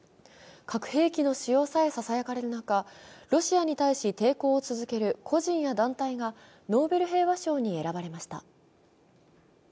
核兵器の使用さえささやかれる中、ロシアに対し、抵抗を続ける個人や団体がノーベル平和賞に選ばれました。